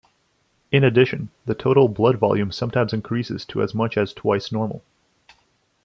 In addition, the total blood volume sometimes increases to as much as twice normal.